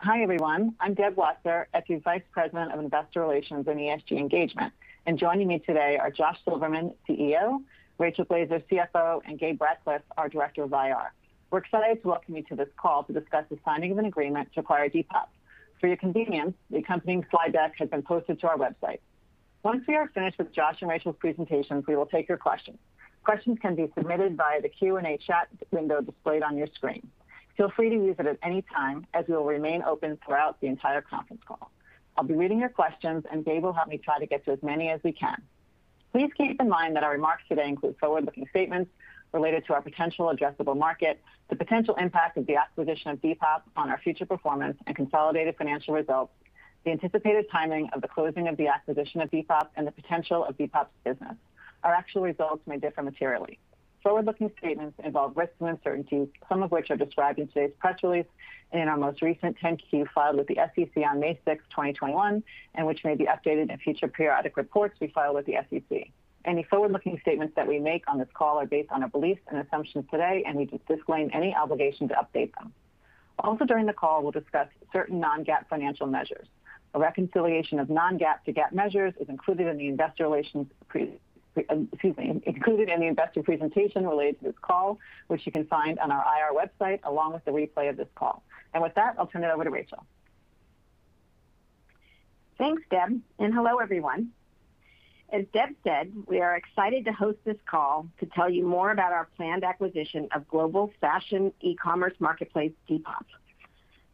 Hi, everyone. I'm Deb Wasser, Etsy Vice President of Investor Relations and ESG Engagement, and joining me today are Josh Silverman, CEO; Rachel Glaser, CFO; and Gabe Ratcliff, our Director of IR. We're excited to welcome you to this call to discuss the signing of an agreement to acquire Depop. For your convenience, the accompanying slide deck has been posted to our website. Once we are finished with Josh and Rachel's presentations, we will take your questions. Questions can be submitted via the Q&A chat window displayed on your screen. Feel free to use it at any time, as it will remain open throughout the entire conference call. I'll be reading your questions, and Gabe will help me try to get to as many as we can. Please keep in mind that our remarks today include forward-looking statements related to our potential addressable market, the potential impact of the acquisition of Depop on our future performance and consolidated financial results, the anticipated timing of the closing of the acquisition of Depop, and the potential of Depop's business. Our actual results may differ materially. Forward-looking statements involve risks and uncertainties, some of which are described in today's press release, in our most recent 10-Q filed with the SEC on May 6th, 2021, and which may be updated in future periodic reports we file with the SEC. Any forward-looking statements that we make on this call are based on our beliefs and assumptions today, and we disclaim any obligation to update them. Also during the call, we'll discuss certain non-GAAP financial measures. A reconciliation of non-GAAP to GAAP measures is included in the investor presentation related to this call, which you can find on our IR website along with the replay of this call. With that, I'll turn it over to Rachel. Thanks, Deb. Hello, everyone. As Deb said, we are excited to host this call to tell you more about our planned acquisition of global fashion e-commerce marketplace, Depop.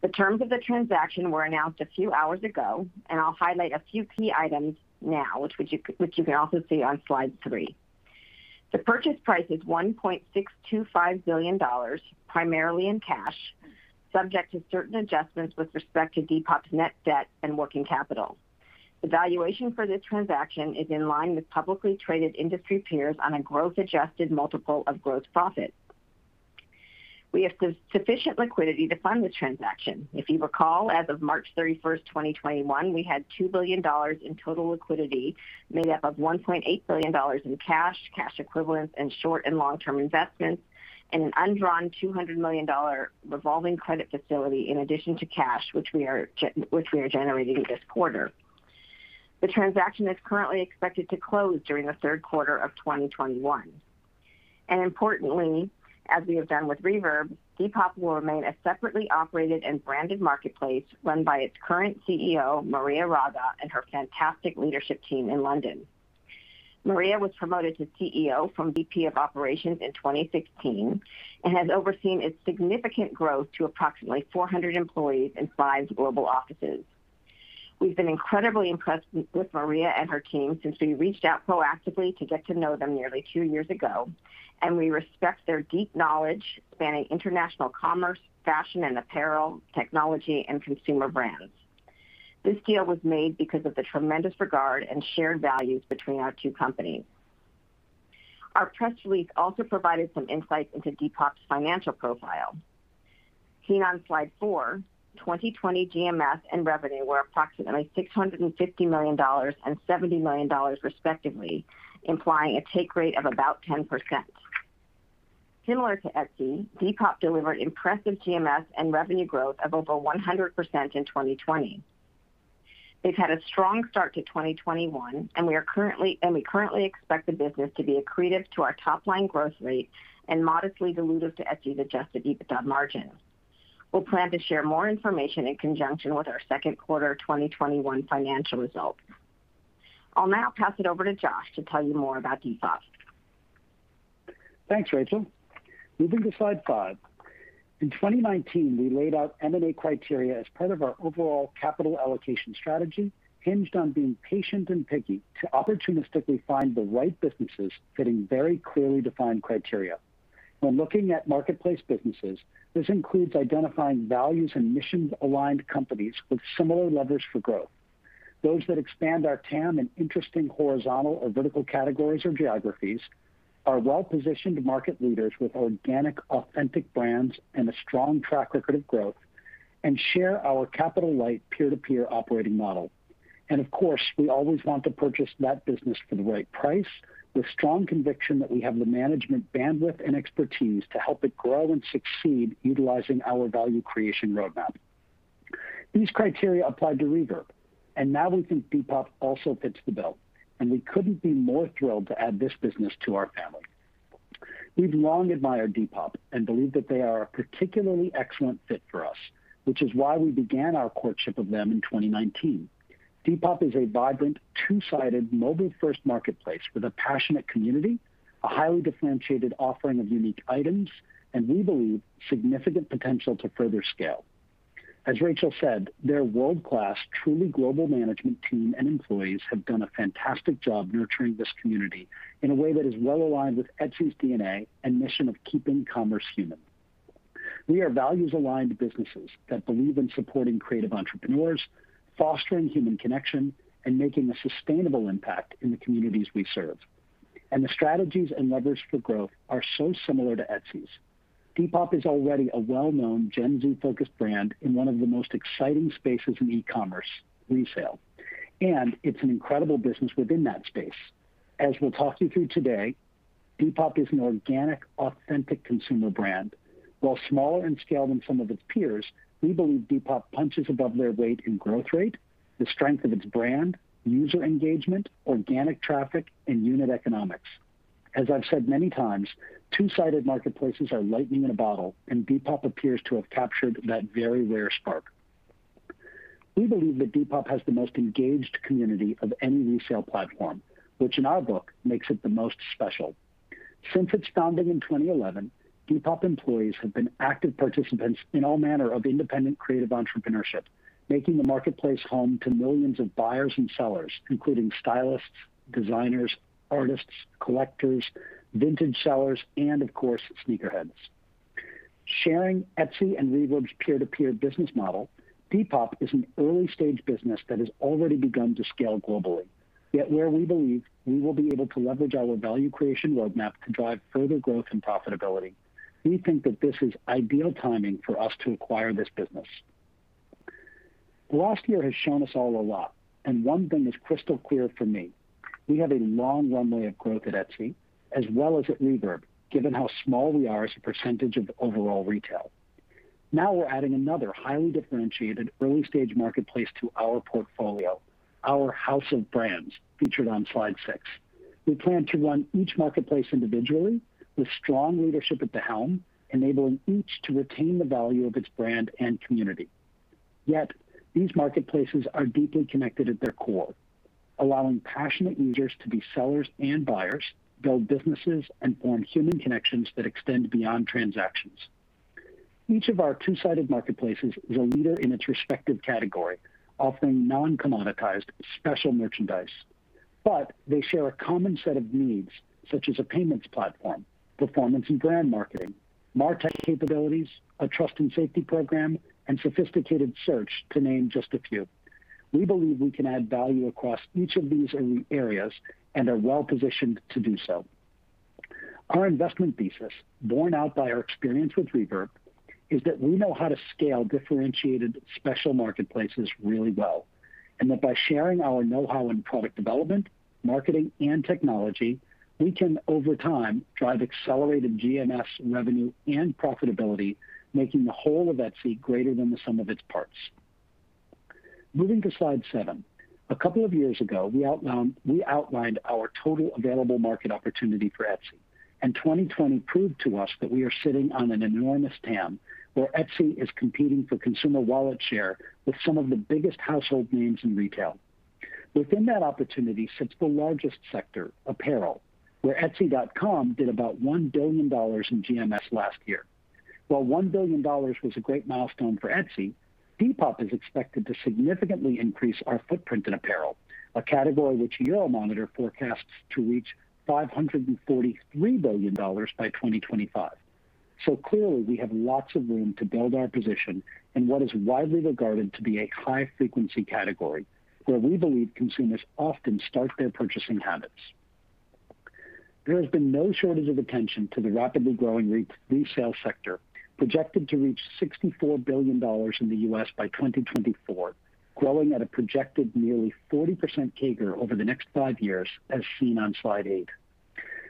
The terms of the transaction were announced a few hours ago. I'll highlight a few key items now, which you can also see on slide three. The purchase price is $1.625 billion, primarily in cash, subject to certain adjustments with respect to Depop's net debt and working capital. The valuation for this transaction is in line with publicly traded industry peers on a growth-adjusted multiple of gross profit. We have sufficient liquidity to fund the transaction. If you recall, as of March 31st, 2021, we had $2 billion in total liquidity, made up of $1.8 billion in cash, cash equivalents, and short and long-term investments, and an undrawn $200 million revolving credit facility in addition to cash, which we are generating this quarter. The transaction is currently expected to close during the third quarter of 2021. Importantly, as we have done with Reverb, Depop will remain a separately operated and branded marketplace run by its current CEO, Maria Raga, and her fantastic leadership team in London. Maria was promoted to CEO from VP of Operations in 2016 and has overseen its significant growth to approximately 400 employees in five global offices. We've been incredibly impressed with Maria and her team since we reached out proactively to get to know them nearly two years ago, and we respect their deep knowledge spanning international commerce, fashion and apparel, technology, and consumer brands. This deal was made because of the tremendous regard and shared values between our two companies. Our press release also provided some insight into Depop's financial profile. Seen on slide four, 2020 GMS and revenue were approximately $650 million and $70 million respectively, implying a take rate of about 10%. Similar to Etsy, Depop delivered impressive GMS and revenue growth of over 100% in 2020. They've had a strong start to 2021, and we currently expect the business to be accretive to our top-line growth rate and modestly dilutive to Etsy's adjusted EBITDA margin. We'll plan to share more information in conjunction with our second quarter 2021 financial results. I'll now pass it over to Josh to tell you more about Depop. Thanks, Rachel. Moving to slide five. In 2019, we laid out M&A criteria as part of our overall capital allocation strategy, hinged on being patient and picky to opportunistically find the right businesses fitting very clearly defined criteria. When looking at marketplace businesses, this includes identifying values and mission-aligned companies with similar levers for growth. Those that expand our TAM in interesting horizontal or vertical categories or geographies, are well-positioned market leaders with organic, authentic brands and a strong track record of growth, and share our capital-light, peer-to-peer operating model. Of course, we always want to purchase that business for the right price with strong conviction that we have the management bandwidth and expertise to help it grow and succeed utilizing our value creation roadmap. These criteria applied to Reverb, and now we think Depop also fits the bill, and we couldn't be more thrilled to add this business to our family. We've long admired Depop and believe that they are a particularly excellent fit for us, which is why we began our courtship of them in 2019. Depop is a vibrant, two-sided, mobile-first marketplace with a passionate community, a highly differentiated offering of unique items, and we believe, significant potential to further scale. As Rachel said, their world-class, truly global management team and employees have done a fantastic job nurturing this community in a way that is well aligned with Etsy's DNA and mission of keeping commerce human. We are values-aligned businesses that believe in supporting creative entrepreneurs, fostering human connection, and making a sustainable impact in the communities we serve. The strategies and levers for growth are so similar to Etsy's. Depop is already a well-known Gen Z-focused brand in one of the most exciting spaces in e-commerce, resale, and it's an incredible business within that space. As we'll talk you through today, Depop is an organic, authentic consumer brand. While smaller in scale than some of its peers, we believe Depop punches above their weight in growth rate, the strength of its brand, user engagement, organic traffic, and unit economics. As I've said many times, two-sided marketplaces are lightning in a bottle, and Depop appears to have captured that very rare spark. We believe that Depop has the most engaged community of any resale platform, which in our book, makes it the most special. Since its founding in 2011, Depop employees have been active participants in all manner of independent creative entrepreneurship, making the marketplace home to millions of buyers and sellers, including stylists, designers, artists, collectors, vintage sellers, and of course, sneakerheads. Sharing Etsy and Reverb's peer-to-peer business model, Depop is an early-stage business that has already begun to scale globally, where we believe we will be able to leverage our value creation roadmap to drive further growth and profitability. We think that this is ideal timing for us to acquire this business. The last year has shown us all a lot, and one thing is crystal clear for me. We have a long runway of growth at Etsy, as well as at Reverb, given how small we are as a percentage of overall retail. Now we're adding another highly differentiated early-stage marketplace to our portfolio. Our house of brands featured on slide six. We plan to run each marketplace individually with strong leadership at the helm, enabling each to retain the value of its brand and community. Yet, these marketplaces are deeply connected at their core, allowing passionate users to be sellers and buyers, build businesses, and form human connections that extend beyond transactions. Each of our two-sided marketplaces is a leader in its respective category, offering non-commoditized special merchandise, but they share a common set of needs, such as a payments platform, performance and brand marketing, market capabilities, a trust and safety program, and sophisticated search, to name just a few. We believe we can add value across each of these areas and are well-positioned to do so. Our investment thesis, borne out by our experience with Reverb, is that we know how to scale differentiated special marketplaces really well, and that by sharing our knowhow in product development, marketing, and technology, we can, over time, drive accelerated GMS revenue and profitability, making the whole of Etsy greater than the sum of its parts. Moving to slide seven. A couple of years ago, we outlined our total available market opportunity for Etsy, and 2020 proved to us that we are sitting on an enormous TAM, where Etsy is competing for consumer wallet share with some of the biggest household names in retail. Within that opportunity sits the largest sector, apparel, where etsy.com did about $1 billion in GMS last year. While $1 billion was a great milestone for Etsy, Depop is expected to significantly increase our footprint in apparel, a category which Euromonitor forecasts to reach $543 billion by 2025. Clearly, we have lots of room to build our position in what is widely regarded to be a high-frequency category, where we believe consumers often start their purchasing habits. There has been no shortage of attention to the rapidly growing resale sector, projected to reach $64 billion in the U.S. by 2024, growing at a projected nearly 40% CAGR over the next five years, as seen on slide eight.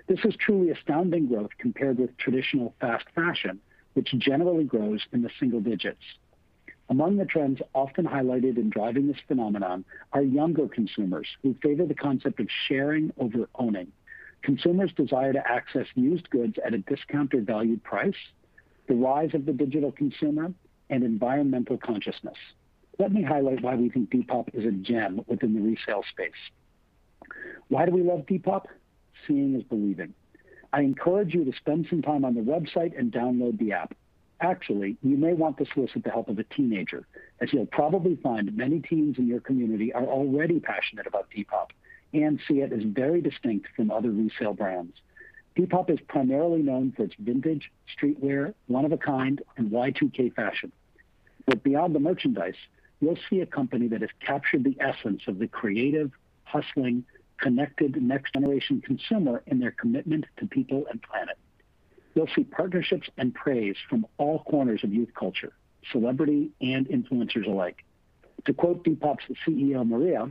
This is truly astounding growth compared with traditional fast fashion, which generally grows in the single digits. Among the trends often highlighted in driving this phenomenon are younger consumers who favor the concept of sharing over owning, consumers' desire to access used goods at a discounted valued price, the rise of the digital consumer, and environmental consciousness. Let me highlight why we think Depop is a gem within the resale space. Why do we love Depop? Seeing is believing. I encourage you to spend some time on the website and download the app. Actually, you may want to solicit the help of a teenager, as you'll probably find many teens in your community are already passionate about Depop and see it as very distinct from other resale brands. Depop is primarily known for its vintage streetwear, one-of-a-kind, and Y2K fashion. Beyond the merchandise, you'll see a company that has captured the essence of the creative, hustling, connected next generation consumer and their commitment to people and planet. You'll see partnerships and praise from all corners of youth culture, celebrity and influencers alike. To quote Depop's CEO Maria: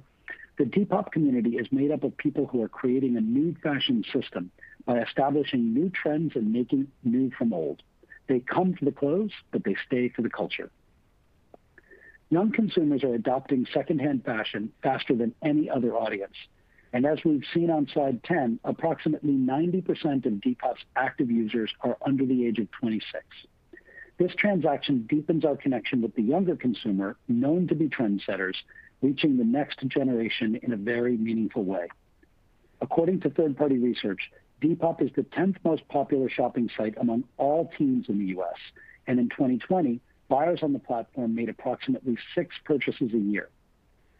The Depop community is made up of people who are creating a new fashion system by establishing new trends and making new from old. They come for the clothes, but they stay for the culture. Young consumers are adopting secondhand fashion faster than any other audience, and as we've seen on slide 10, approximately 90% of Depop's active users are under the age of 26. This transaction deepens our connection with the younger consumer, known to be trendsetters, reaching the next generation in a very meaningful way. According to third-party research, Depop is the 10th most popular shopping site among all teens in the U.S., and in 2020, buyers on the platform made approximately six purchases a year.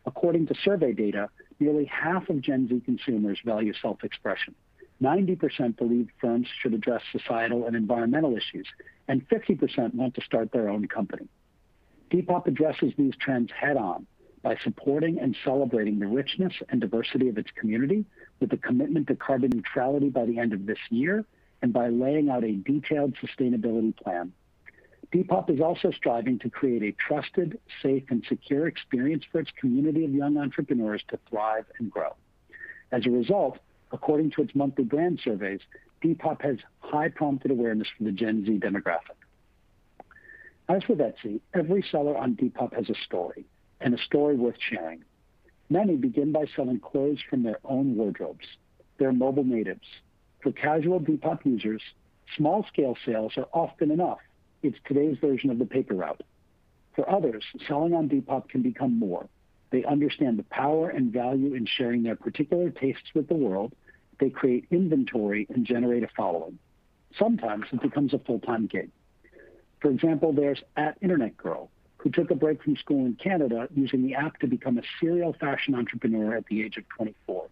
According to survey data, nearly half of Gen Z consumers value self-expression. 90% believe firms should address societal and environmental issues, and 50% want to start their own company. Depop addresses these trends head-on by supporting and celebrating the richness and diversity of its community with a commitment to carbon neutrality by the end of this year and by laying out a detailed sustainability plan. Depop is also striving to create a trusted, safe, and secure experience for its community of young entrepreneurs to thrive and grow. As a result, according to its monthly brand surveys, Depop has high prompted awareness from the Gen Z demographic. As with Etsy, every seller on Depop has a story, and a story worth sharing. Many begin by selling clothes from their own wardrobes. They're mobile natives. For casual Depop users, small scale sales are often enough. It's today's version of the paper route. For others, selling on Depop can become more. They understand the power and value in sharing their particular tastes with the world. They create inventory and generate a following. Sometimes it becomes a full-time gig. For example, there's @internetgirl, who took a break from school in Canada, using the app to become a serial fashion entrepreneur at the age of 24.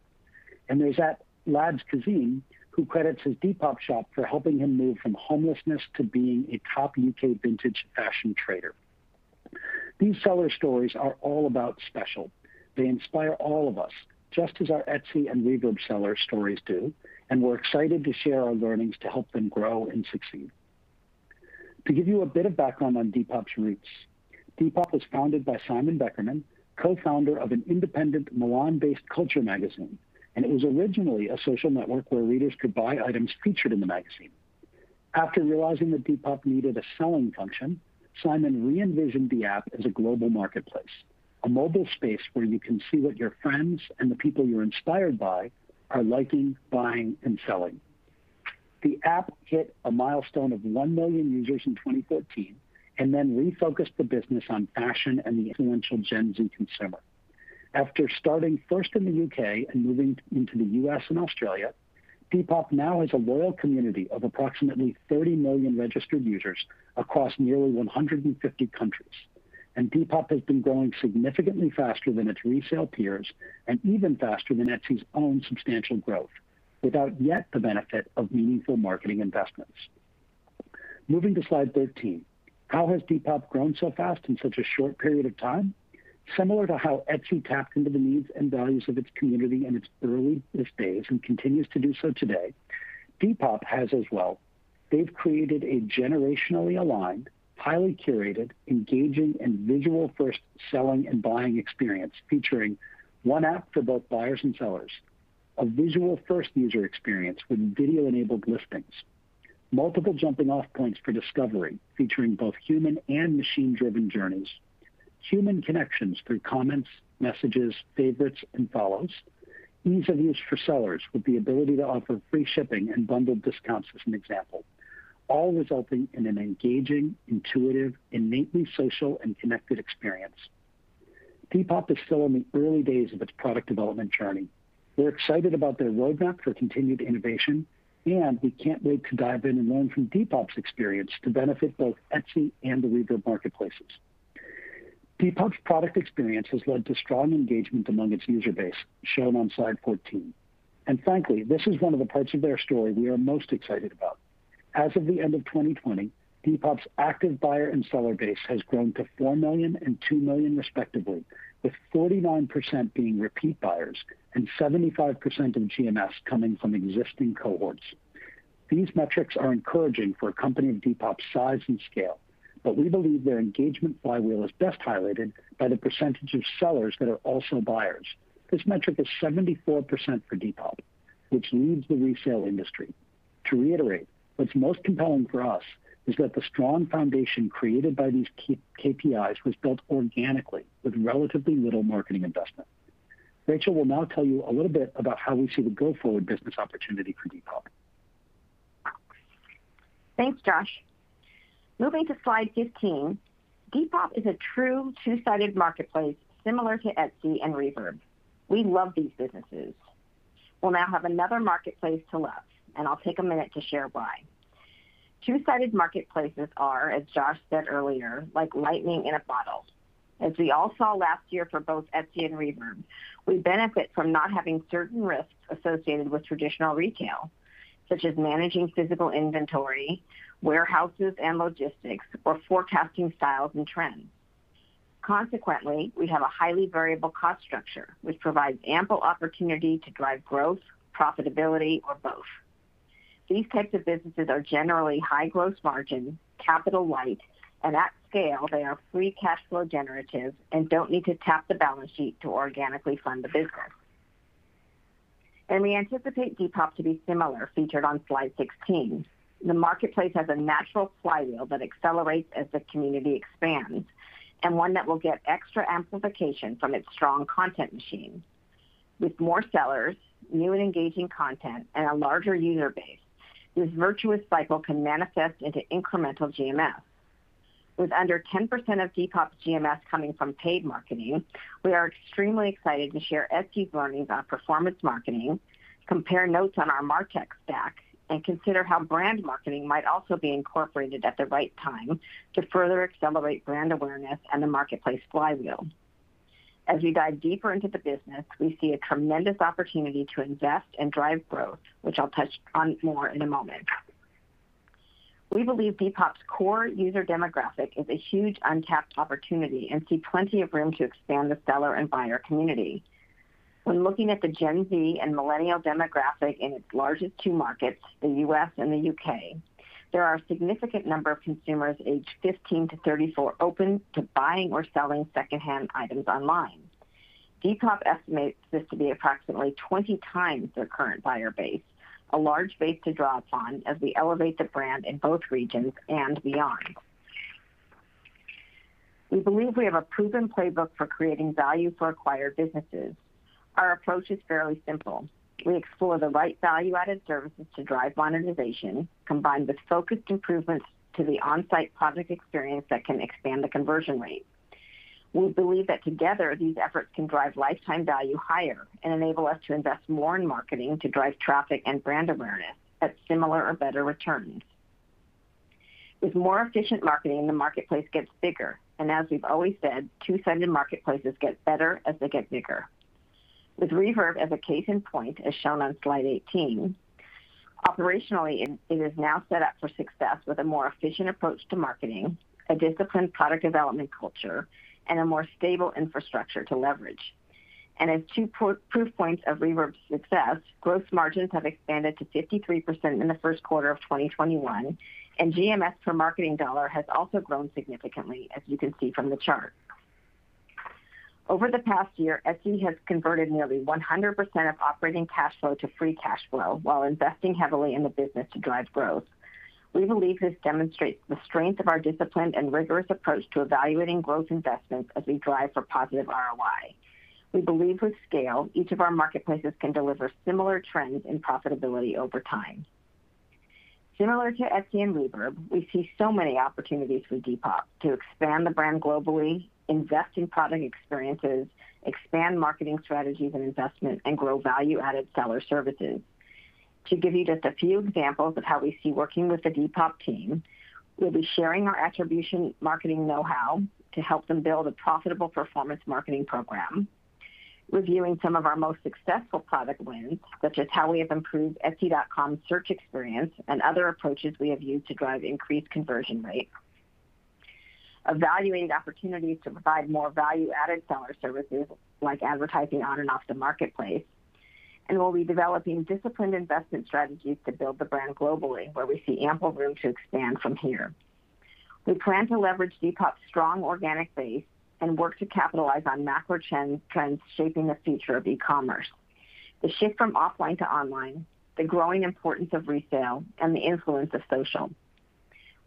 There's @ladzkazeem, who credits his Depop shop for helping him move from homelessness to being a top U.K. vintage fashion trader. These seller stories are all about special. They inspire all of us, just as our Etsy and Reverb seller stories do. We're excited to share our learnings to help them grow and succeed. To give you a bit of background on Depop's roots, Depop was founded by Simon Beckerman, co-founder of an independent Milan-based culture magazine. It was originally a social network where readers could buy items featured in the magazine. After realizing that Depop needed a selling function, Simon re-envisioned the app as a global marketplace, a mobile space where you can see what your friends and the people you're inspired by are liking, buying, and selling. The app hit a milestone of 1 million users in 2014. Then refocused the business on fashion and the influential Gen Z consumer. After starting first in the U.K. and moving into the U.S. and Australia, Depop now has a loyal community of approximately 30 million registered users across nearly 150 countries. Depop has been growing significantly faster than its resale peers and even faster than Etsy's own substantial growth, without yet the benefit of meaningful marketing investments. Moving to slide 13. How has Depop grown so fast in such a short period of time? Similar to how Etsy tapped into the needs and values of its community in its earliest days and continues to do so today, Depop has as well. They've created a generationally aligned, highly curated, engaging, and visual-first selling and buying experience, featuring one app for both buyers and sellers. A visual-first user experience with video-enabled listings, multiple jumping off points for discovery, featuring both human and machine-driven journeys, human connections through comments, messages, favorites, and follows, ease of use for sellers with the ability to offer free shipping and bundled discounts as an example, all resulting in an engaging, intuitive, innately social, and connected experience. Depop is still in the early days of its product development journey. We're excited about their roadmap for continued innovation, and we can't wait to dive in and learn from Depop's experience to benefit both Etsy and the Reverb marketplaces. Depop's product experience has led to strong engagement among its user base, shown on slide 14. Frankly, this is one of the parts of their story we are most excited about. As of the end of 2020, Depop's active buyer and seller base has grown to 4 million and 2 million respectively, with 49% being repeat buyers and 75% of GMS coming from existing cohorts. These metrics are encouraging for a company of Depop's size and scale, but we believe their engagement flywheel is best highlighted by the percentage of sellers that are also buyers. This metric is 74% for Depop, which leads the resale industry. To reiterate, what's most compelling for us is that the strong foundation created by these key KPIs was built organically with relatively little marketing investment. Rachel will now tell you a little bit about how we see the go-forward business opportunity for Depop. Thanks, Josh. Moving to slide 15, Depop is a true two-sided marketplace similar to Etsy and Reverb. We love these businesses. We'll now have another marketplace to love, and I'll take a minute to share why. Two-sided marketplaces are, as Josh said earlier, like lightning in a bottle. As we all saw last year for both Etsy and Reverb, we benefit from not having certain risks associated with traditional retail, such as managing physical inventory, warehouses and logistics, or forecasting styles and trends. Consequently, we have a highly variable cost structure, which provides ample opportunity to drive growth, profitability, or both. These types of businesses are generally high gross margin, capital light, and at scale, they are free cash flow generative and don't need to tap the balance sheet to organically fund the business. We anticipate Depop to be similar, featured on slide 16. The marketplace has a natural flywheel that accelerates as the community expands, and one that will get extra amplification from its strong content machine. With more sellers, new engaging content, and a larger user base, this virtuous cycle can manifest into incremental GMS. With under 10% of Depop's GMS coming from paid marketing, we are extremely excited to share Etsy's learnings on performance marketing, compare notes on our MarTech stack, and consider how brand marketing might also be incorporated at the right time to further accelerate brand awareness and the marketplace flywheel. As we dive deeper into the business, we see a tremendous opportunity to invest and drive growth, which I'll touch on more in a moment. We believe Depop's core user demographic is a huge untapped opportunity and see plenty of room to expand the seller and buyer community. When looking at the Gen Z and millennial demographic in its largest two markets, the U.S. and the U.K., there are a significant number of consumers aged 15-34 open to buying or selling second-hand items online. Depop estimates this to be approximately 20x their current buyer base, a large base to draw upon as we elevate the brand in both regions and beyond. We believe we have a proven playbook for creating value for acquired businesses. Our approach is fairly simple. We explore the right value-added services to drive monetization, combined with focused improvements to the on-site product experience that can expand the conversion rate. We believe that together, these efforts can drive lifetime value higher and enable us to invest more in marketing to drive traffic and brand awareness at similar or better returns. With more efficient marketing, the marketplace gets bigger, and as we've always said, two-sided marketplaces get better as they get bigger. With Reverb as a case in point, as shown on slide 18, operationally, it is now set up for success with a more efficient approach to marketing, a disciplined product development culture, and a more stable infrastructure to leverage. As two proof points of Reverb's success, gross margins have expanded to 53% in the first quarter of 2021, and GMS per marketing dollar has also grown significantly, as you can see from the chart. Over the past year, Etsy has converted nearly 100% of operating cash flow to free cash flow while investing heavily in the business to drive growth. We believe this demonstrates the strength of our discipline and rigorous approach to evaluating growth investments as we drive for positive ROI. We believe with scale, each of our marketplaces can deliver similar trends in profitability over time. Similar to Etsy and Reverb, we see so many opportunities with Depop to expand the brand globally, invest in product experiences, expand marketing strategies and investment, and grow value-added seller services. To give you just a few examples of how we see working with the Depop team, we'll be sharing our attribution marketing know-how to help them build a profitable performance marketing program, reviewing some of our most successful product wins, such as how we have improved etsy.com search experience and other approaches we have used to drive increased conversion rates, evaluate opportunities to provide more value-added seller services like advertising on and off the marketplace, and we'll be developing disciplined investment strategies to build the brand globally where we see ample room to expand from here. We plan to leverage Depop's strong organic base and work to capitalize on macro trends shaping the future of e-commerce, the shift from offline to online, the growing importance of resale, and the influence of social.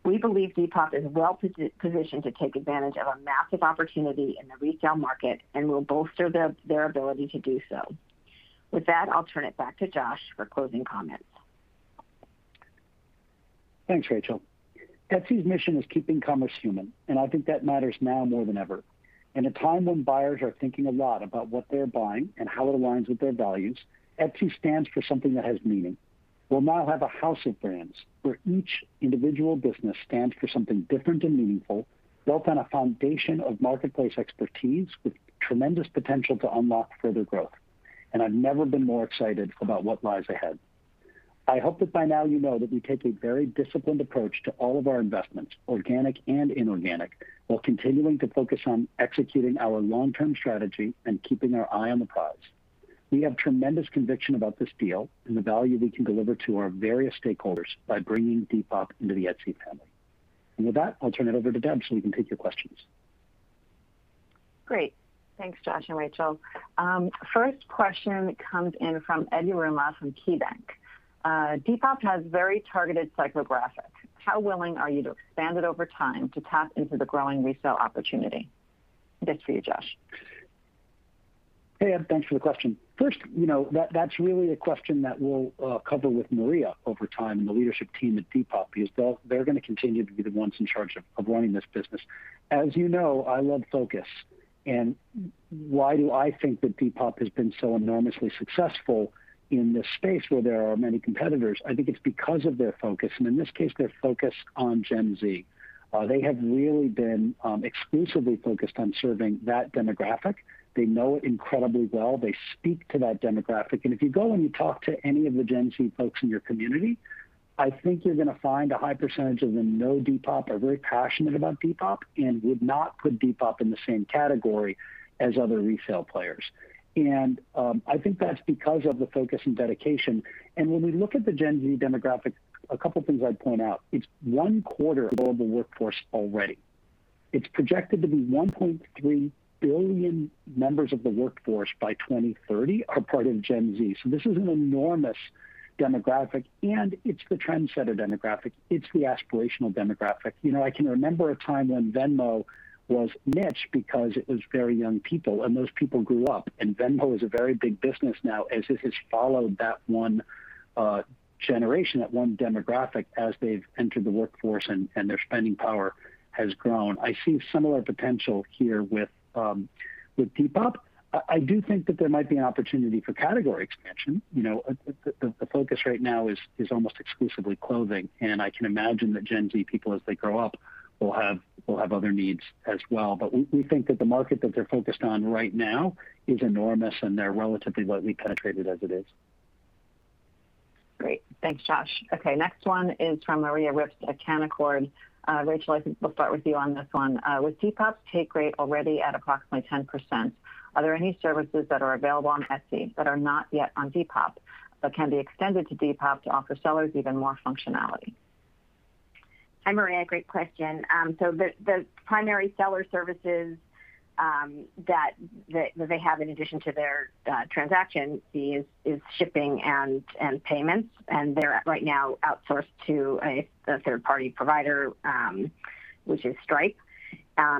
We believe Depop is well-positioned to take advantage of a massive opportunity in the resale market and will bolster their ability to do so. With that, I'll turn it back to Josh for closing comments. Thanks, Rachel. Etsy's mission is keeping commerce human. I think that matters now more than ever. In a time when buyers are thinking a lot about what they're buying and how it aligns with their values, Etsy stands for something that has meaning. We'll now have a house of brands where each individual business stands for something different and meaningful, built on a foundation of marketplace expertise with tremendous potential to unlock further growth. I've never been more excited about what lies ahead. I hope that by now you know that we take a very disciplined approach to all of our investments, organic and inorganic, while continuing to focus on executing our long-term strategy and keeping our eye on the prize. We have tremendous conviction about this deal and the value we can deliver to our various stakeholders by bringing Depop into the Etsy family. With that, I'll turn it over to Deb so we can take your questions. Great. Thanks, Josh and Rachel. First question comes in from Ed Yruma from KeyBanc. Depop has very targeted psychographics. How willing are you to expand it over time to tap into the growing resale opportunity? This is for you, Josh. Hey, Ed, thanks for the question. First, that's really a question that we'll cover with Maria over time and the leadership team at Depop, because they're going to continue to be the ones in charge of running this business. As you know, I love focus, and why do I think that Depop has been so enormously successful in this space where there are many competitors? I think it's because of their focus, and in this case, they're focused on Gen Z. They have really been exclusively focused on serving that demographic. They know it incredibly well. They speak to that demographic, and if you go and you talk to any of the Gen Z folks in your community, I think you're going to find a high percentage of them know Depop, are very passionate about Depop, and would not put Depop in the same category as other resale players. I think that's because of the focus and dedication. When we look at the Gen Z demographic, a couple things I'd point out is, it's 1/4 of all the workforce already. It's projected to be 1.3 billion members of the workforce by 2030 are part of Gen Z. This is an enormous demographic, and it's the trendsetter demographic. It's the aspirational demographic. I can remember a time when Venmo was niche because it was very young people, and those people grew up, and Venmo is a very big business now, as it has followed that one generation, that one demographic, as they've entered the workforce and their spending power has grown. I see similar potential here with Depop. I do think that there might be an opportunity for category expansion. The focus right now is almost exclusively clothing, and I can imagine that Gen Z people, as they grow up, will have other needs as well. We think that the market that they're focused on right now is enormous, and they're relatively lightly penetrated as it is. Great. Thanks, Josh. Next one is from Maria Ripps at Canaccord. Rachel, I think we'll start with you on this one. With Depop's take rate already at approximately 10%, are there any services that are available on Etsy that are not yet on Depop, but can be extended to Depop to offer sellers even more functionality? Hi, Maria, great question. The primary seller services that they have in addition to their transaction fee is shipping and payments, and they're right now outsourced to a third-party provider, which is Stripe. As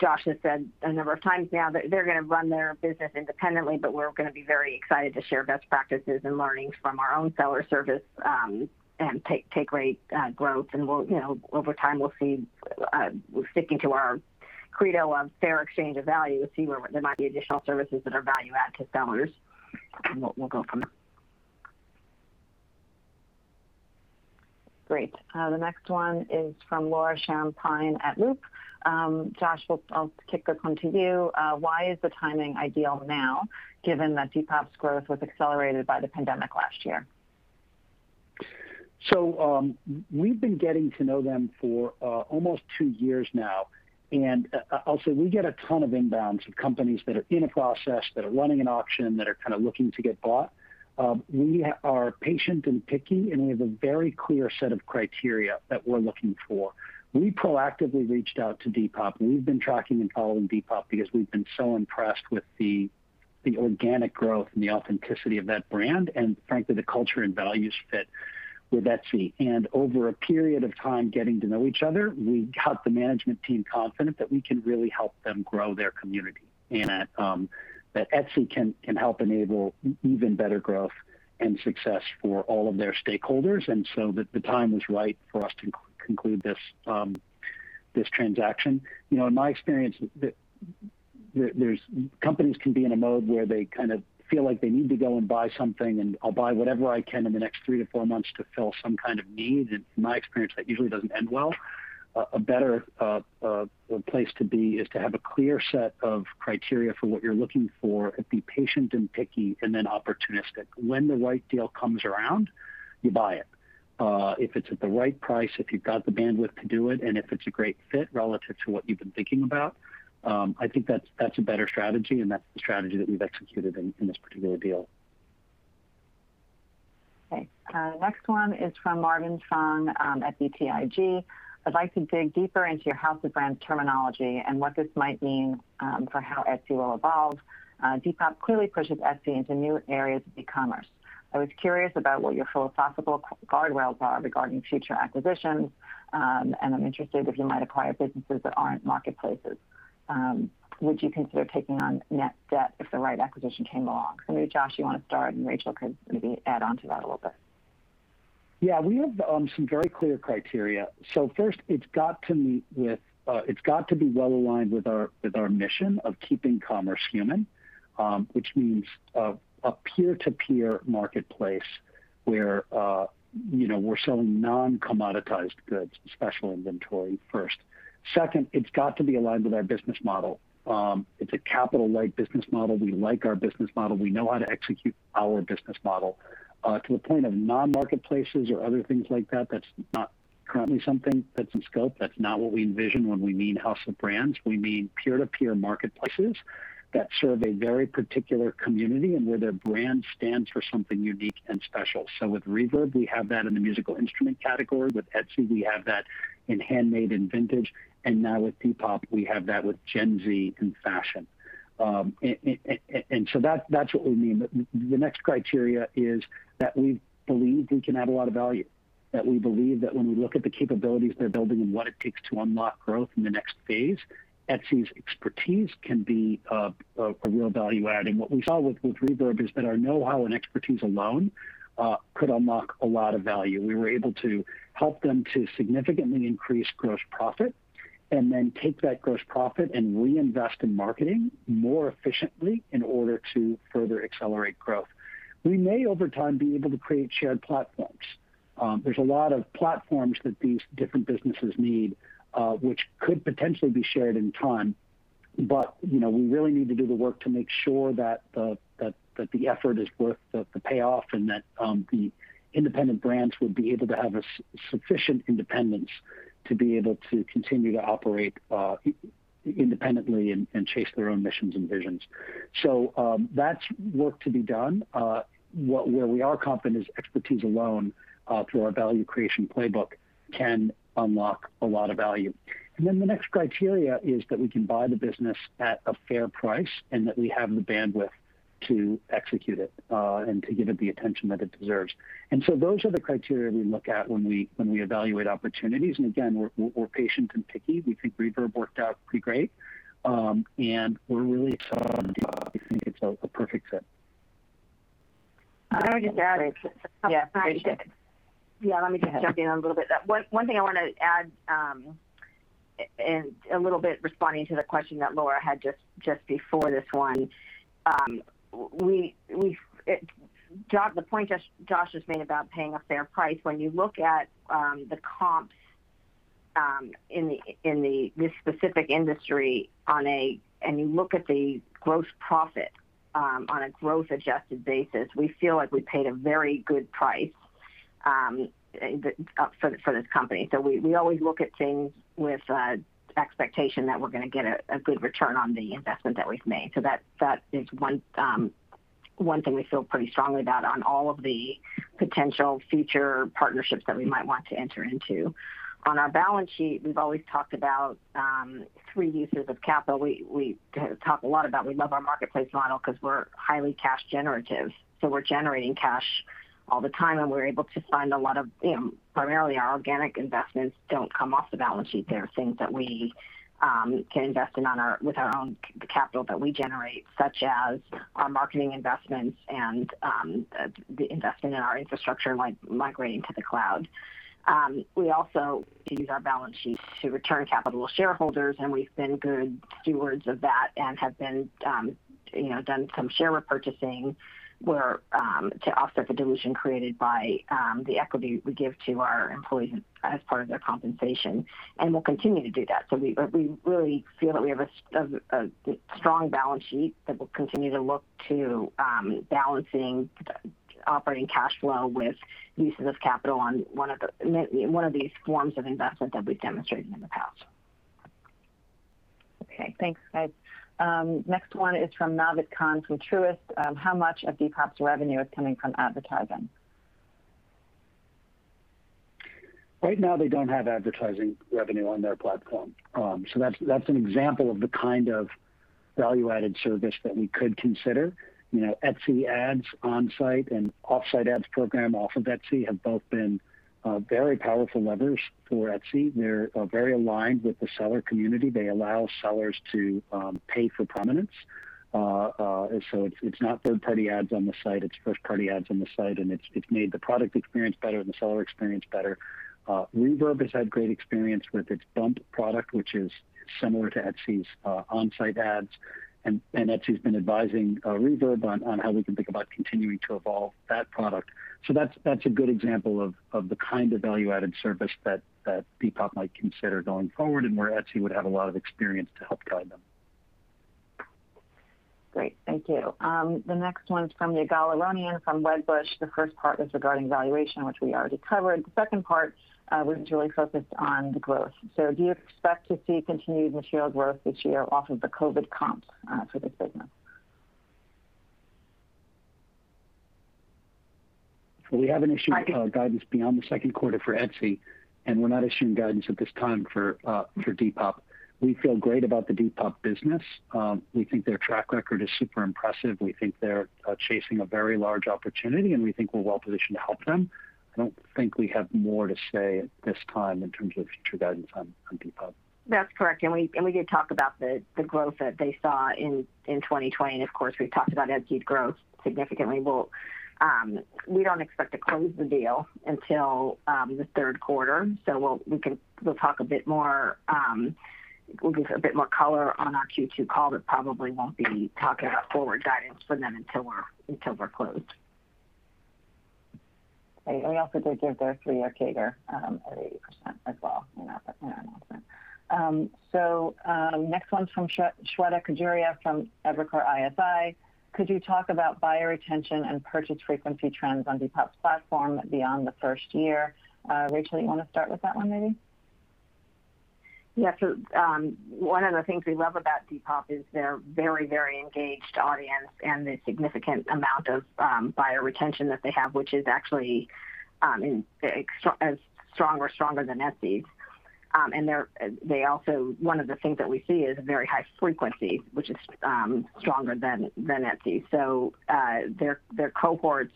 Josh has said a number of times now, they're going to run their business independently, but we're going to be very excited to share best practices and learnings from our own seller surface and take rate growth. Over time, we're sticking to our credo of fair exchange of value to see what the amount of additional services that are value add to sellers, and what we'll go from there. Great. The next one is from Laura Champine at Loop. Josh, I'll kick this one to you. Why is the timing ideal now given that Depop's growth was accelerated by the pandemic last year? We've been getting to know them for almost two years now. Also, we get a ton of inbounds with companies that are in a process, that are running an auction, that are kind of looking to get bought. We are patient and picky, and we have a very clear set of criteria that we're looking for. We proactively reached out to Depop, and we've been tracking and following Depop because we've been so impressed with the organic growth and the authenticity of that brand, and frankly, the culture and values fit with Etsy. Over a period of time getting to know each other, we got the management team confident that we can really help them grow their community, and that Etsy can help enable even better growth and success for all of their stakeholders. The time was right for us to conclude this transaction. In my experience, companies can be in a mode where they kind of feel like they need to go and buy something, and I'll buy whatever I can in the next three to four months to fill some kind of need. In my experience, that usually doesn't end well. A better place to be is to have a clear set of criteria for what you're looking for and be patient and picky and then opportunistic. When the right deal comes around, you buy it. If it's at the right price, if you've got the bandwidth to do it, and if it's a great fit relative to what you've been thinking about, I think that's a better strategy, and that's the strategy that we've executed in this particular deal. Okay. Next one is from Marvin Fong at BTIG. I'd like to dig deeper into your house of brands terminology and what this might mean for how Etsy will evolve. Depop clearly pushes Etsy into new areas of e-commerce. I was curious about what your philosophical guardrails are regarding future acquisitions. I'm interested if you might acquire businesses that aren't marketplaces. Would you consider taking on net debt if the right acquisition came along? Maybe Josh, you want to start, and Rachel can maybe add on to that a little bit. We have some very clear criteria. First, it's got to be well-aligned with our mission of keeping commerce human, which means a peer-to-peer marketplace where we're selling non-commoditized goods, special inventory first. Second, it's got to be aligned with our business model. It's a capital light business model. We like our business model. We know how to execute our business model. To the point of non-marketplaces or other things like that's not currently something that's in scope. That's not what we envision when we mean house of brands. We mean peer-to-peer marketplaces that serve a very particular community and where their brand stands for something unique and special. With Reverb, we have that in the musical instrument category. With Etsy, we have that in handmade and vintage, and now with Depop, we have that with Gen Z and fashion. That's what we mean. The next criteria is that we believe we can add a lot of value, that we believe that when we look at the capabilities they're building and what it takes to unlock growth in the next phase, Etsy's expertise can be a real value adding. What we saw with Reverb is that our know-how and expertise alone could unlock a lot of value. We were able to help them to significantly increase gross profit and then take that gross profit and reinvest in marketing more efficiently in order to further accelerate growth. We may, over time, be able to create shared platforms. There's a lot of platforms that these different businesses need, which could potentially be shared in time. We really need to do the work to make sure that the effort is worth the payoff and that the independent brands would be able to have sufficient independence to be able to continue to operate independently and chase their own missions and visions. That's work to be done. Where we are confident is expertise alone through our value creation playbook can unlock a lot of value. Then the next criteria is that we can buy the business at a fair price and that we have the bandwidth to execute it, and to give it the attention that it deserves. So those are the criteria we look at when we evaluate opportunities. Again, we're patient and picky. We think Reverb worked out pretty great, and we're really excited about Etsy. It's a perfect fit. Can I just add something? Yeah, please do. Go ahead. Let me just jump in a little bit. One thing I want to add, and a little bit responding to the question that Laura had just before this one. The point that Josh was making about paying a fair price, when you look at the comps in this specific industry, and you look at the gross profit on a growth-adjusted basis, we feel like we paid a very good price for this company. We always look at things with the expectation that we're going to get a good return on the investment that we've made. That is one thing we feel pretty strongly about on all of the potential future partnerships that we might want to enter into. On our balance sheet, we've always talked about three uses of capital. We talk a lot about we love our marketplace model because we're highly cash generative. We're generating cash all the time, and we're able to fund primarily, our organic investments don't come off the balance sheet. They're things that we can invest in with our own capital that we generate, such as our marketing investments and the investment in our infrastructure, like migrating to the cloud. We also use our balance sheet to return capital to shareholders, and we've been good stewards of that and have done some share repurchasing to offset the dilution created by the equity we give to our employees as part of their compensation. We'll continue to do that. We really feel that we have a strong balance sheet that will continue to look to balancing operating cash flow with uses of capital in one of these forms of investment that we've demonstrated in the past. Okay, thanks, guys. Next one is from Naved Khan from Truist. How much of Depop's revenue is coming from advertising? Right now, they don't have advertising revenue on their platform. That's an example of the kind of value-added service that we could consider. Etsy Ads on-site and off-site ads program off of Etsy have both been very powerful levers for Etsy. They're very aligned with the seller community. They allow sellers to pay for prominence. It's not third-party ads on the site. It's first-party ads on the site, and it's made the product experience better, the seller experience better. Reverb has had great experience with its Bump product, which is similar to Etsy's on-site ads, and Etsy has been advising Reverb on how we can think about continuing to evolve that product. That's a good example of the kind of value-added service that Depop might consider going forward and where Etsy would have a lot of experience to help guide them. Great. Thank you. The next one's from Ygal Arounian from Wedbush. The first part is regarding valuation, which we already covered. The second part really focuses on the growth. Do you expect to see continued material growth this year off of the COVID comps for Depop? We haven't issued guidance beyond the second quarter for Etsy, and we're not issuing guidance at this time for Depop. We feel great about the Depop business. We think their track record is super impressive. We think they're chasing a very large opportunity, and we think we're well-positioned to help them. I don't think we have more to say at this time in terms of future guidance on Depop. That's correct. We did talk about the growth that they saw in 2020, and of course, we talked about Etsy's growth significantly. We don't expect to close the deal until the third quarter, so we'll give a bit more color on our Q2 call, but probably won't be talking about forward guidance for them until we're closed. We also did give their three-year CAGR at 80% as well. Next one's from Shweta Khajuria from Evercore ISI. Could you talk about buyer retention and purchase frequency trends on Depop's platform beyond the first year? Rachel, you want to start with that one maybe? Yeah. One of the things we love about Depop is their very engaged audience and the significant amount of buyer retention that they have, which is actually as strong or stronger than Etsy's. One of the things that we see is very high frequency, which is stronger than Etsy. Their cohorts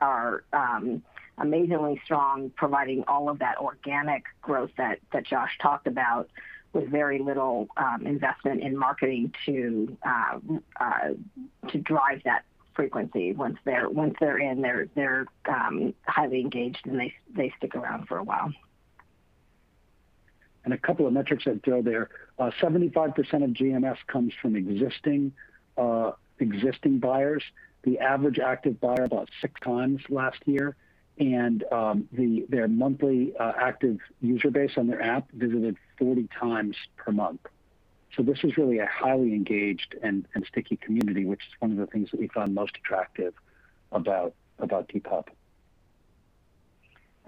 are amazingly strong, providing all of that organic growth that Josh talked about with very little investment in marketing to drive that frequency. Once they're in, they're highly engaged, and they stick around for a while. A couple of metrics that show there, 75% of GMS comes from existing buyers. The average active buyer about six times last year. Their monthly active user base on their app visited 40 times per month. This is really a highly engaged and sticky community, which is one of the things that we found most attractive about Depop.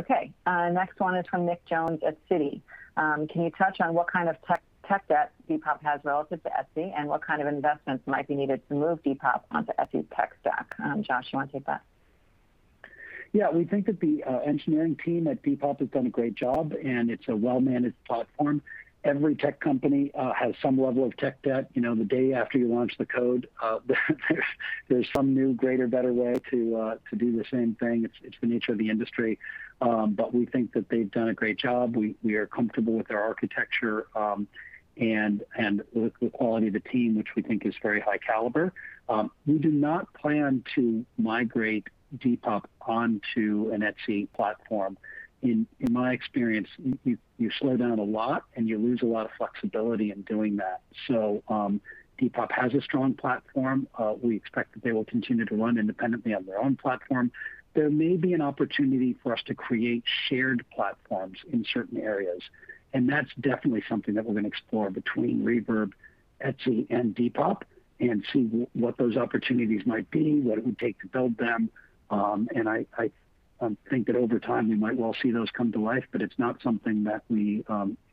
Okay, next one is from Nick Jones at Citi. Can you touch on what kind of tech debt Depop has relative to Etsy, and what kind of investments might be needed to move Depop onto Etsy's tech stack? Josh, do you want to take that? Yeah. We think that the engineering team at Depop has done a great job, and it's a well-managed platform. Every tech company has some level of tech debt. The day after you launch the code there's some new, greater, better way to do the same thing. It's the nature of the industry. We think that they've done a great job. We are comfortable with their architecture, and with the quality of the team, which we think is very high caliber. We do not plan to migrate Depop onto an Etsy platform. In my experience, you slow down a lot, and you lose a lot of flexibility in doing that. Depop has a strong platform. We expect that they will continue to run independently on their own platform. There may be an opportunity for us to create shared platforms in certain areas. That's definitely something that we're going to explore between Reverb, Etsy, and Depop and see what those opportunities might be, what it would take to build them. I think that over time, we might well see those come to life, but it's not something that we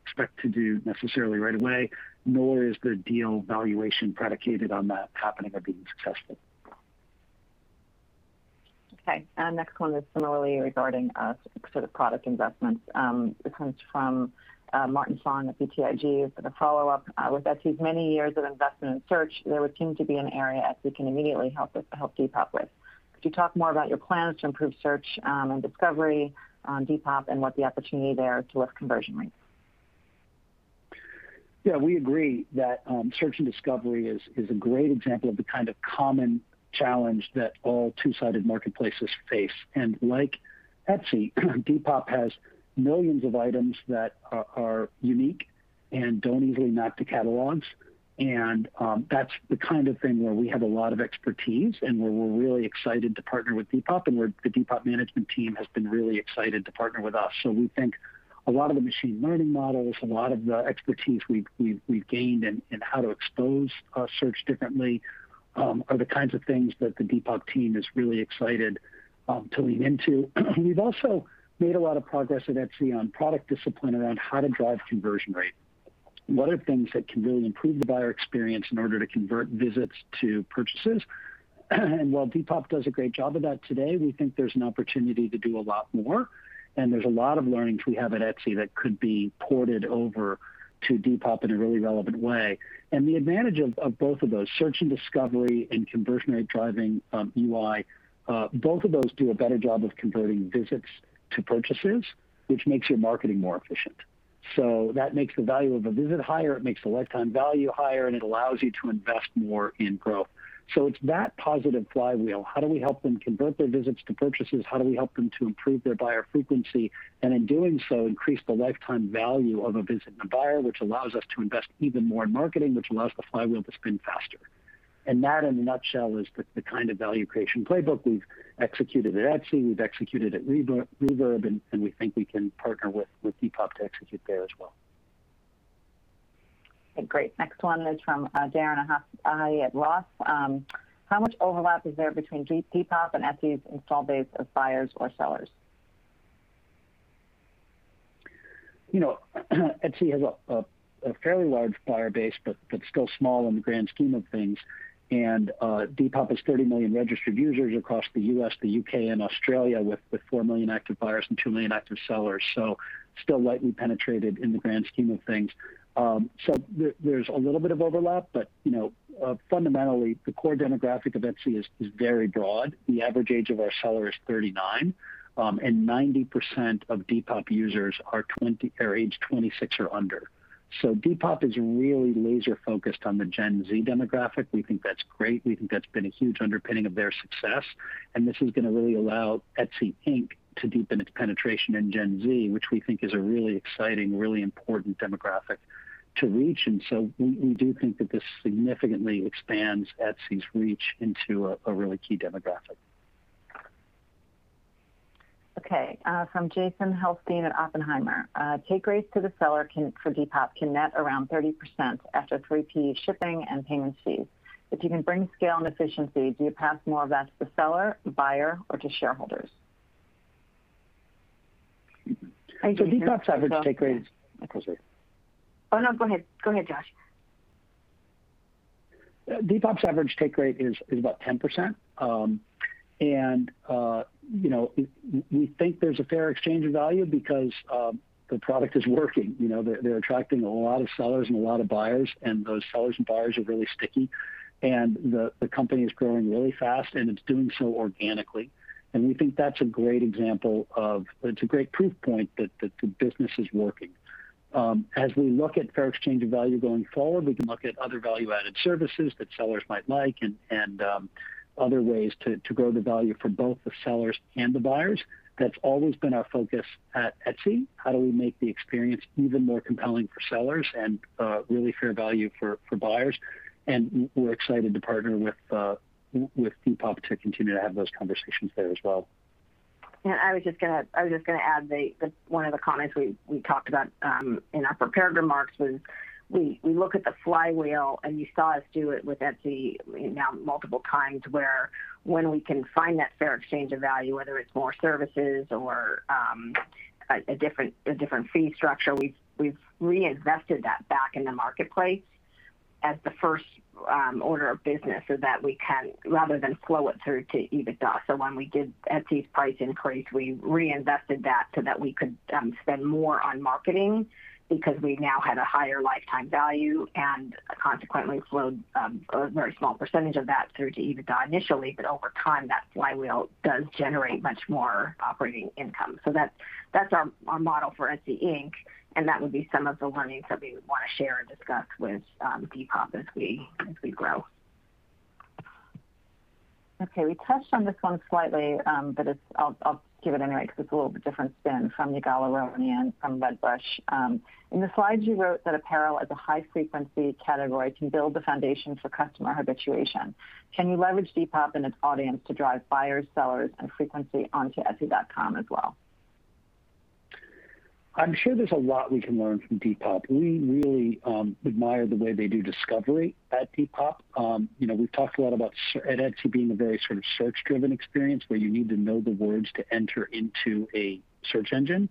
expect to do necessarily right away, nor is the deal valuation predicated on that happening or being successful. Okay. Our next one is similarly regarding specific product investments. It comes from Marvin Fong at BTIG as sort of follow-up. With Etsy's many years of investment in search, there would seem to be an area Etsy can immediately help Depop with. Could you talk more about your plans to improve search and discovery on Depop, and what the opportunity there is to lift conversion rates? Yeah, we agree that search and discovery is a great example of the kind of common challenge that all two-sided marketplaces face. Like Etsy, Depop has millions of items that are unique and don't easily map to catalogs. That's the kind of thing where we have a lot of expertise and where we're really excited to partner with Depop, and the Depop management team has been really excited to partner with us. We think a lot of the machine learning models, a lot of the expertise we've gained in how to expose search differently are the kinds of things that the Depop team is really excited to lean into. We've also made a lot of progress at Etsy on product discipline around how to drive conversion rate. A lot of things that can really improve the buyer experience in order to convert visits to purchases. While Depop does a great job of that today, we think there's an opportunity to do a lot more, and there's a lot of learnings we have at Etsy that could be ported over to Depop in a really relevant way. The advantage of both of those, search and discovery and conversion rate driving UI, both of those do a better job of converting visits to purchases, which makes your marketing more efficient. That makes the value of a visit higher, it makes the lifetime value higher, and it allows you to invest more in growth. It's that positive flywheel. How do we help them convert their visits to purchases? How do we help them to improve their buyer frequency, and in doing so, increase the lifetime value of a visit and buyer, which allows us to invest even more in marketing, which allows the flywheel to spin faster. That in a nutshell is the kind of value creation playbook we've executed at Etsy, we've executed at Reverb, and we think we can partner with Depop to execute there as well. Okay, great. Next one is from Darren Aftahi at ROTH. How much overlap is there between Depop and Etsy's install base of buyers or sellers? Etsy has a fairly large buyer base, still small in the grand scheme of things. Depop has 30 million registered users across the U.S., the U.K., and Australia, with 4 million active buyers and 2 million active sellers. Still lightly penetrated in the grand scheme of things. There's a little bit of overlap, but fundamentally, the core demographic of Etsy is very broad. The average age of our seller is 39, and 90% of Depop users are age 26 or under. Depop is really laser-focused on the Gen Z demographic. We think that's great. We think that's been a huge underpinning of their success, and this is going to really allow Etsy, Inc. to deepen its penetration in Gen Z, which we think is a really exciting, really important demographic to reach. We do think that this significantly expands Etsy's reach into a really key demographic. Okay. From Jason Helfstein at Oppenheimer. Take rates to the seller for Depop can net around 30% after 3P shipping and payment fees. If you can bring scale and efficiency, do you pass more of that to the seller, the buyer, or to shareholders? Depop's average take rate. Oh, no, go ahead, Josh. Depop's average take rate is about 10%. We think there's a fair exchange of value because the product is working. They're attracting a lot of sellers and a lot of buyers, and those sellers and buyers are really sticky. The company is growing really fast, and it's doing so organically. We think that's a great proof point that the business is working. As we look at fair exchange of value going forward, we can look at other value-added services that sellers might like and other ways to grow the value for both the sellers and the buyers. That's always been our focus at Etsy. How do we make the experience even more compelling for sellers and really fair value for buyers? We're excited to partner with Depop to continue to have those conversations there as well. Yeah, I was just going to add one of the comments we talked about in our prepared remarks was we look at the flywheel, and you saw us do it with Etsy now multiple times, where when we can find that fair exchange of value, whether it's more services or a different fee structure, we've reinvested that back in the marketplace as the first order of business so that we can, rather than flow it through to EBITDA. When we did Etsy price increase, we reinvested that so that we could spend more on marketing because we now had a higher lifetime value, and consequently flowed a very small percentage of that through to EBITDA initially. Over time, that flywheel does generate much more operating income. That's our model for Etsy, Inc., and that would be some of the learnings that we would want to share and discuss with Depop as we grow. Okay, we touched on this one slightly, but I'll give it anyway because it's a little bit different spin from Ygal Arounian from Wedbush. In the slides, you wrote that apparel as a high-frequency category can build the foundation for customer habituation. Can you leverage Depop and its audience to drive buyers, sellers, and frequency onto etsy.com as well? I'm sure there's a lot we can learn from Depop. We really admire the way they do discovery at Depop. We've talked a lot about Etsy being a very sort of search-driven experience where you need to know the words to enter into a search engine,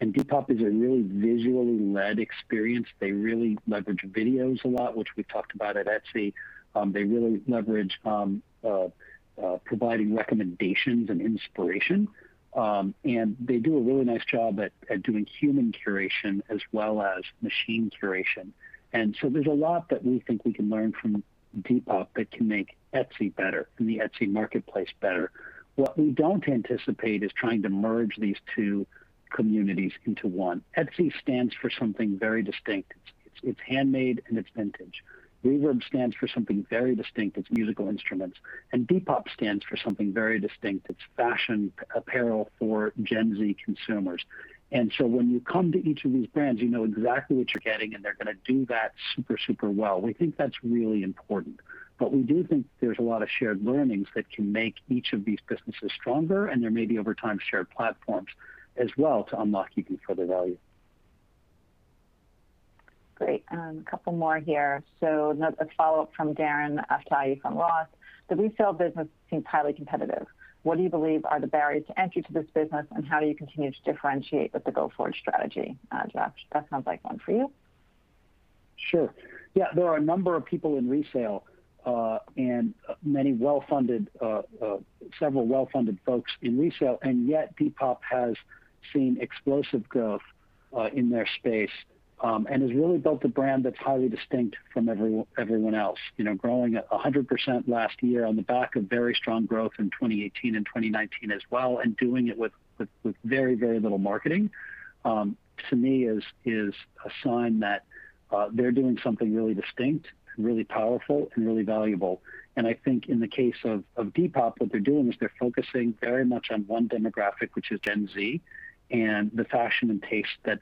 and Depop is a really visually led experience. They really leverage videos a lot, which we talked about at Etsy. They really leverage providing recommendations and inspiration. They do a really nice job at doing human curation as well as machine curation. There's a lot that we think we can learn from Depop that can make Etsy better and the Etsy marketplace better. What we don't anticipate is trying to merge these two communities into one. Etsy stands for something very distinct. It's handmade and it's vintage. Reverb stands for something very distinct. It's musical instruments. Depop stands for something very distinct. It's fashion apparel for Gen Z consumers. When you come to each of these brands, you know exactly what you're getting, and they're going to do that super well. We think that's really important, but we do think there's a lot of shared learnings that can make each of these businesses stronger, and there may be over time shared platforms as well to unlock even further value. Great. A couple more here. Another follow-up from Darren Aftahi at ROTH. The resale business seems highly competitive. What do you believe are the barriers to entry to this business, and how do you continue to differentiate with the go-forward strategy, Josh? That sounds like one for you. Sure. Yeah, there are a number of people in resale, several well-funded folks in resale, yet Depop has seen explosive growth in their space and has really built a brand that's highly distinct from everyone else. Growing at 100% last year on the back of very strong growth in 2018 and 2019 as well, doing it with very, very little marketing, to me, is a sign that they're doing something really distinct, really powerful and really valuable. I think in the case of Depop, what they're doing is they're focusing very much on one demographic, which is Gen Z, the fashion and taste that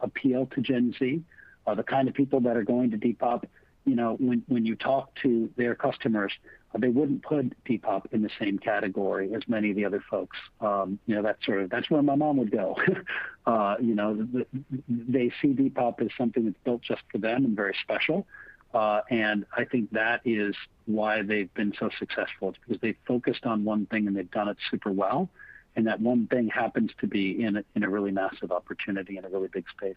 appeal to Gen Z are the kind of people that are going to Depop. When you talk to their customers, they wouldn't put Depop in the same category as many of the other folks. That's where my mom would go. They see Depop as something that's built just for them and very special. I think that is why they've been so successful, because they focused on one thing and they've done it super well, and that one thing happens to be in a really massive opportunity in a really big space.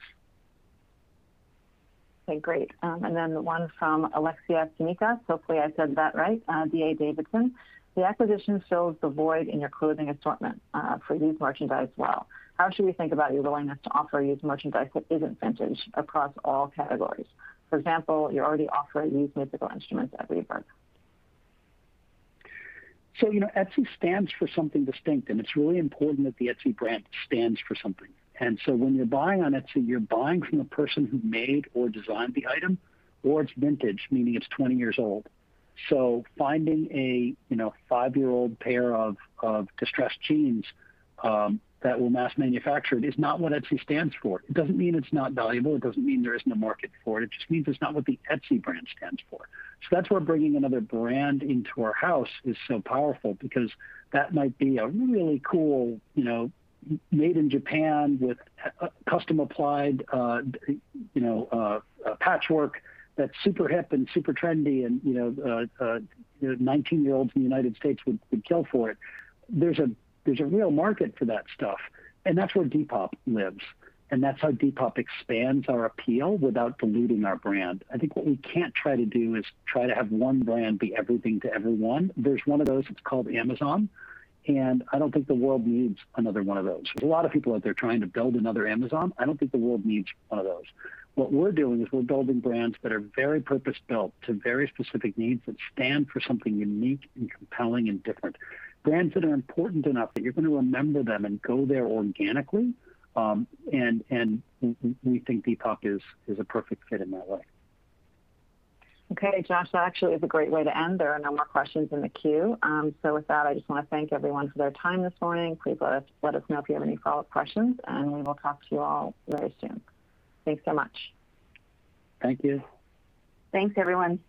One from Alexia Tsimikas, hopefully I said that right, at D.A. Davidson. The acquisition fills the void in your clothing assortment for used merchandise well. How should we think about your willingness to offer used merchandise that isn't vintage across all categories? For example, you already offer used musical instruments at Reverb. Etsy stands for something distinct, and it's really important that the Etsy brand stands for something. When you're buying on Etsy, you're buying from a person who made or designed the item, or it's vintage, meaning it's 20 years old. Finding a five-year-old pair of distressed jeans that were mass manufactured is not what Etsy stands for. It doesn't mean it's not valuable. It doesn't mean there isn't a market for it. It just means it's not what the Etsy brand stands for. That's why bringing another brand into our house is so powerful, because that might be a really cool made in Japan with custom applied patchwork that's super hip and super trendy, and 19-year-olds in the United States would kill for it. There's a real market for that stuff, and that's where Depop lives. That's how Depop expands our appeal without diluting our brand. I think what we can't try to do is try to have one brand be everything to everyone. There's one of those, it's called Amazon. I don't think the world needs another one of those. There's a lot of people out there trying to build another Amazon. I don't think the world needs more of those. What we're doing is we're building brands that are very purpose-built to very specific needs that stand for something unique and compelling and different. Brands that are important enough that you're going to remember them and go there organically. We think Depop is a perfect fit in that way. Okay, Josh, that actually is a great way to end. There are no more questions in the queue. With that, I just want to thank everyone for their time this morning. Please let us know if you have any follow-up questions, and we will talk to you all very soon. Thanks so much. Thank you. Thanks, everyone.